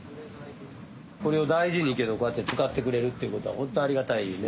これを大事に使ってくれるっていうことはホントありがたいよね。